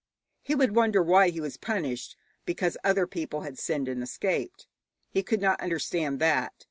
He would wonder why he was punished because other people had sinned and escaped. He could not understand that.